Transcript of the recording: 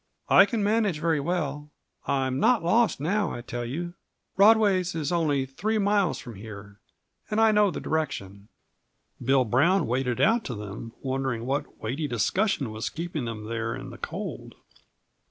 "I can manage very well. I'm not lost now, I tell you. Rodway's is only three miles from here, and I know the direction." Bill Brown waded out to them, wondering what weighty discussion was keeping them there in the cold.